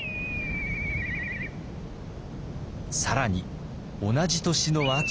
更に同じ年の秋。